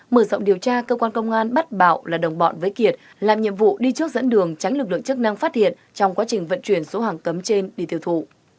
mở rộng điều tra cơ quan công an bắt bạo là đồng bọn với kiệt làm nhiệm vụ đi trước dẫn đường tránh lực lượng chức năng phát hiện trong quá trình vận chuyển số hàng cấm trên đi tiêu thụ